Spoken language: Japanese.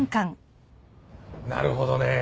なるほどね。